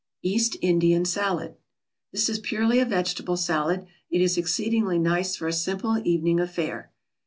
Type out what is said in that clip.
EAST INDIAN SALAD This is purely a vegetable salad; it is exceedingly nice for a simple evening affair.